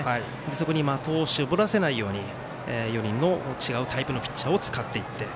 そこに的を絞らせないように４人の違うタイプのピッチャーを使っていって。